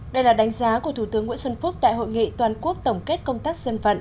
đây là đánh giá của thủ tướng nguyễn xuân phúc tại hội nghị toàn quốc tổng kết công tác dân vận